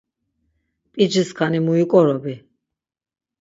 P̆iciskani muiǩorobi!